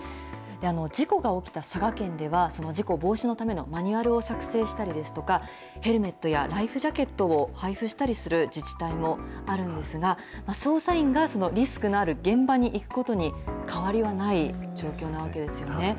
事故が起きた佐賀県では、その事故防止のためのマニュアルを作成したりですとか、ヘルメットやライフジャケットを配付したりする自治体もあるんですが、操作員がリスクのある現場に行くことに変わりはない状況なわけですよね。